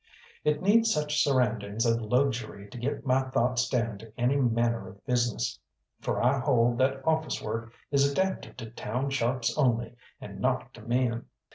It needs such surroundings of luxury to get my thoughts down to any manner of business, for I hold that office work is adapted to town sharps only, and not to men.